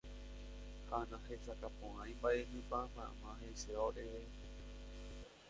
Ha nahesakãporãi mba'énepa mama he'iséva oréve.